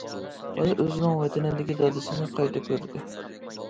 بالا ئۆزىنىڭ ۋەتىنىدىكى دادىسىنى قايتا كۆردى.